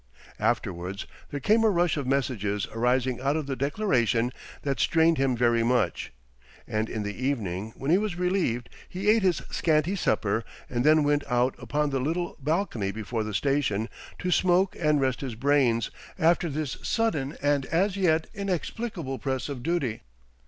Afterwards there came a rush of messages arising out of the declaration that strained him very much, and in the evening when he was relieved, he ate his scanty supper and then went out upon the little balcony before the station, to smoke and rest his brains after this sudden and as yet inexplicable press of duty.